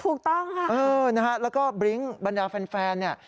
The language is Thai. ถูกต้องค่ะแล้วก็บลิ้งค์บรรยาแฟนเนี่ย